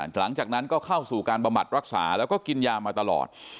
หลังจากนั้นก็เข้าสู่การบำบัดรักษาแล้วก็กินยามาตลอด